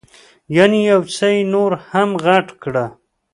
یعنې یو څه یې نور هم غټ کړه.